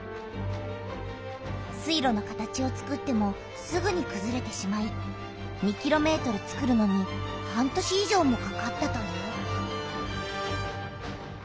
水路の形をつくってもすぐにくずれてしまい２ｋｍつくるのに半年い上もかかったという。